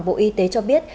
bộ y tế cho biết